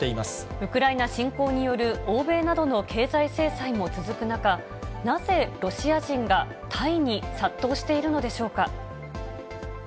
ウクライナ侵攻による欧米などの経済制裁も続く中、なぜロシア人がタイに殺到しているのでしょうか。